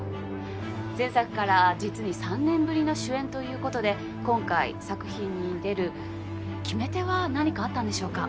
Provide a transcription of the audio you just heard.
前作から実に３年ぶりの主演ということで今回作品に出る決め手は何かあったんでしょうか？